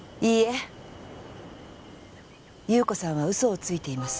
優子さんは嘘をついています。